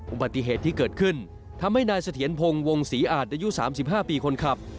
อุบัติเหตุที่เกิดขึ้นทำให้นายเสถียรพงศ์วงศรีอาจอายุ๓๕ปีคนขับ